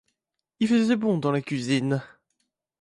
Il faisait bon dans la cuisine.